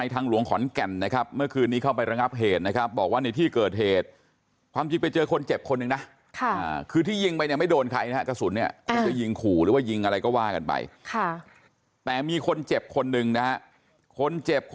ทราบเมืองต้นว่าอ่าเวลรุ่นกลุ่มเนี้ยเคยมีเรื่องทะเลาะทะเลาะกันมาก่อนนะครับ